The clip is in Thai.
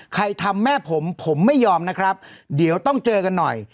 ใครทำแม่ผมผมไม่ยอมนะครับเดี๋ยวต้องเจอกันหน่อย